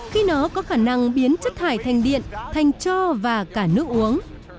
khi nó có khả năng biến chất thải thành điện thành cho và cả nước uống